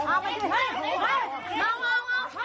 มาไปบ้านเลยภาพผมเองไป